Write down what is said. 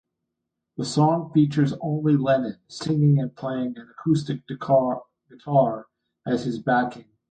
The song features only Lennon, singing and playing an acoustic guitar as his backing.